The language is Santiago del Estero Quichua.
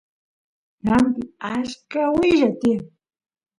ñanpi achka willa tiyan